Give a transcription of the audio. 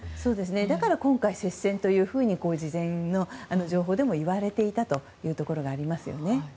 だから今回接戦というふうに事前の情報でもいわれていたというところがありますね。